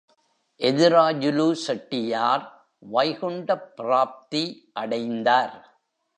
எதிராஜுலு செட்டியார் வைகுண்டப் பிராப்தி அடைந்தார்.